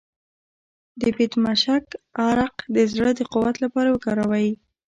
د بیدمشک عرق د زړه د قوت لپاره وکاروئ